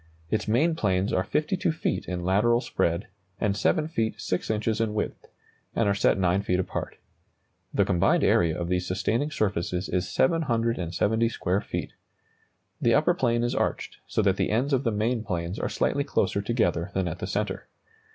Its main planes are 52 feet in lateral spread, and 7 feet 6 inches in width, and are set 9 feet apart. The combined area of these sustaining surfaces is 770 square feet. The upper plane is arched, so that the ends of the main planes are slightly closer together than at the centre.